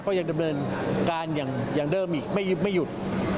ยังดำเนินการอย่างเดิมอีกไม่หยุด